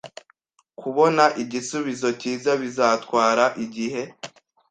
Kubona igisubizo cyiza bizatwara igihe.